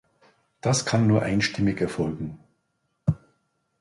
Das kann nur einstimmig erfolgen.